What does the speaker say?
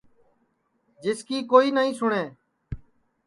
جس کی کوئی نائی سُٹؔے